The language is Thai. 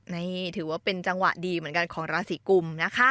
นี่ถือว่าเป็นจังหวะดีเหมือนกันของราศีกุมนะคะ